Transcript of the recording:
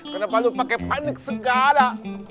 kenapa lu pakai panik segala